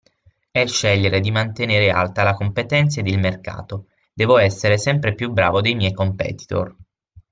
E’ scegliere di mantenere alta la competenza ed il mercato, devo essere sempre più bravo dei miei competitor.